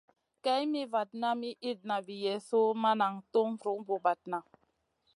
Kay mi vatna mi itna vi Yezu ma nan tum vun bra-bradna.